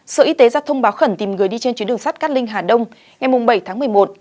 sở y tế ra thông báo khẩn tìm người đi trên chuyến đường sắt cát linh hà đông ngày bảy tháng một mươi một